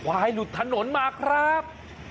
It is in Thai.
ไฺลุดถนนมาครับ